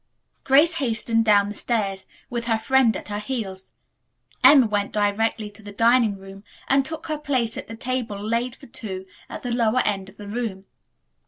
Grace hastened down the stairs, with her friend at her heels. Emma went directly to the dining room and took her place at the table laid for two at the lower end of the room.